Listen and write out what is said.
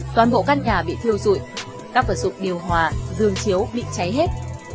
toàn bộ căn nhà bị thiêu rụi các vật dụng điều hòa dương chiếu bị cháy hết